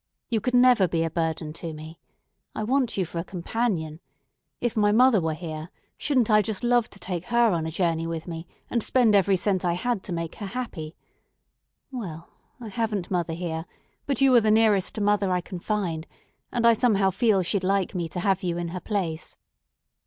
You could never be a burden to me. I want you for a companion. If my mother were here, shouldn't I just love to take her on a journey with me, and spend every cent I had to make her happy? Well, I haven't mother here; but you are the nearest to mother I can find, and I somehow feel she'd like me to have you in her place.